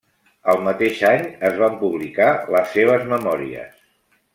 El mateix any es van publicar les seves memòries.